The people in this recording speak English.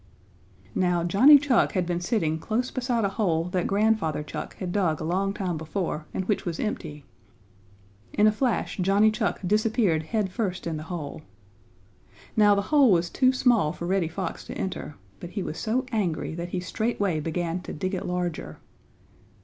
Now Johnny Chuck had been sitting close beside a hole that Grandfather Chuck had dug a long time before and which was empty. In a flash Johnny Chuck disappeared head first in the hole. Now the hole was too small for Reddy Fox to enter, but he was so angry that he straightway began to dig it larger.